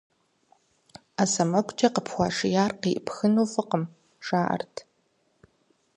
Ӏэ сэмэгукӀэ къыпхуашияр къеӀыпхыну фӀыкъым, жаӀэрт.